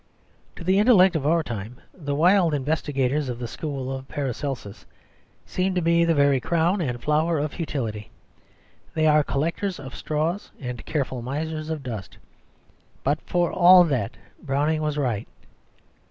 To the intellect of our time the wild investigators of the school of Paracelsus seem to be the very crown and flower of futility, they are collectors of straws and careful misers of dust. But for all that Browning was right.